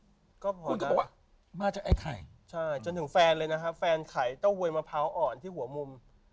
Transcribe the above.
คุณก็บอกว่ามาจากไอ้ไข่ใช่จนถึงแฟนเลยนะครับแฟนไข่เต้าหวยมะพร้าวอ่อนที่หัวมุม